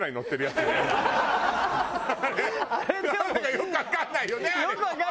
よくわかんないよねあれ。